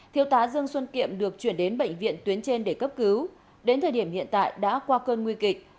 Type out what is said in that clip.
thiếu tá dương xuân kiệm được chuyển đến bệnh viện tuyến trên để cấp cứu đến thời điểm hiện tại đã qua cơn nguy kịch